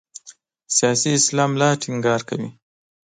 سیاسي اسلام لا ټینګار کوي.